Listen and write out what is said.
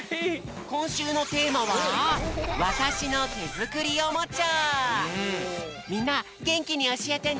こんしゅうのテーマはみんなげんきにおしえてね。